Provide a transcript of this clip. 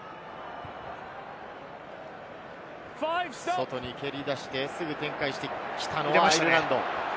外に蹴り出してすぐに展開してきたのはアイルランド。